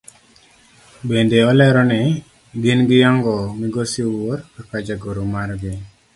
Bende olero ni gin giyango migosi Owuor kaka jagoro margi.